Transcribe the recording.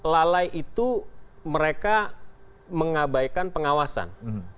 lalai itu mereka mengabaikan pengawasan